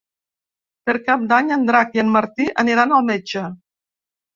Per Cap d'Any en Drac i en Martí aniran al metge.